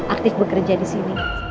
aktif bekerja di sini